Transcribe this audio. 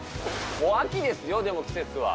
もう秋ですよ、でも季節は。